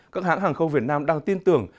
các hãng hàng không việt nam đang tin tưởng